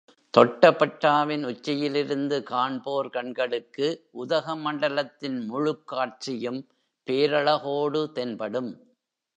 தொட்டபெட்டாவின் உச்சியிலிருந்து காண்போர் கண்களுக்கு உதகமண்டலத்தின் முழுக் காட்சியும் பேரழகோடு தென்படும்.